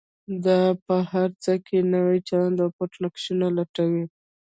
دا په هر څه کې نوی چلند او پټ نقشونه لټوي.